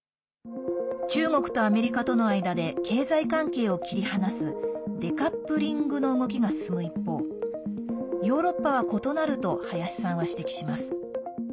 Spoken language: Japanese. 中国とアメリカとの間で経済関係を切り離すデカップリングの動きが進む一方ヨーロッパは異なると林さんは指摘します。